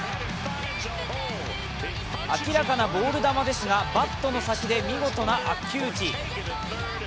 明らかなボール球ですが、バッとの先で見事な悪球打ち。